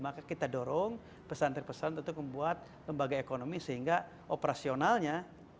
maka kita dorong pesantren pesantren untuk membuat lembaga ekonomi sehingga operasionalnya